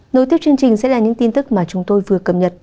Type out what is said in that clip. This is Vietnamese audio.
nối tiếp chương trình sẽ là những tin tức mà chúng tôi vừa cập nhật